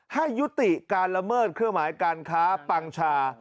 ให้ยุติการละเมิดเครื่องหมายการค้าปังชา